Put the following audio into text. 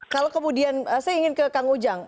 kalau kemudian saya ingin ke kang ujang